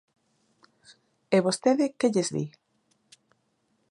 E vostede que lles di?